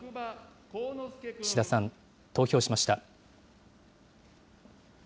岸田さん、投票しました。